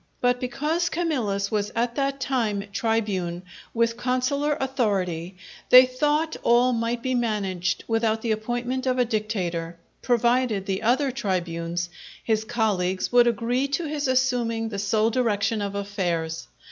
But because Camillus was at that time tribune with consular authority they thought all might be managed without the appointment of a dictator, provided the other tribunes, his colleagues would agree to his assuming the sole direction of affairs.